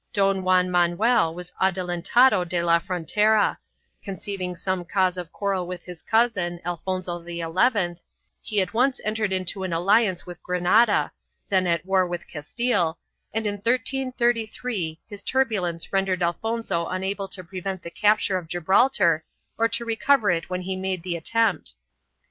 3 In 1324, Don Juan Manuel was Adelantado de la Frontera; conceiving some cause of quarrel with his cousin, Alfonso XI, he at once entered into an alliance with Granada, then at war with Castile, and in 1333 his turbulence rendered Alfonso unable to prevent the capture of Gibraltar or to recover it when he made the attempt.